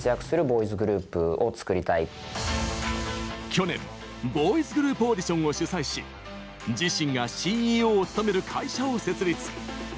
去年、ボーイズグループオーディションを主催し自身がＣＥＯを務める会社を設立。